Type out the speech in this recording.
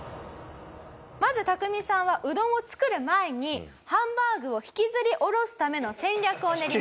まずタクミさんはうどんを作る前にハンバーグを引きずり下ろすための戦略を練ります。